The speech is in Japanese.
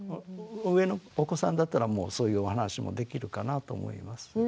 上のお子さんだったらもうそういうお話もできるかなと思います。